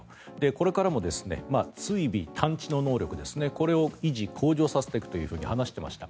これからも追尾・探知の能力をこれを維持・向上させていくと話していました。